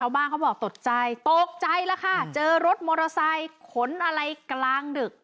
บ้านเขาบอกตกใจตกใจแล้วค่ะเจอรถมอเตอร์ไซค์ขนอะไรกลางดึก